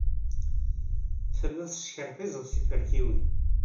Telliḍ teskerfiẓeḍ tiferkiyin.